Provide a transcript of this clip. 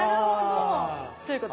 ということです。